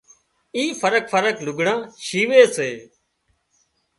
اي فرق فرق لگھڙان شيوي سي